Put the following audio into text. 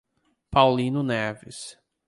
Paulino Neves